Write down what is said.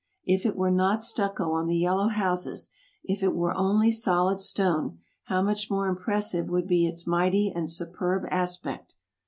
If it were not stucco on the yellow houses, if it were only solid stone, how much more impressive would be its mighty and superb aspect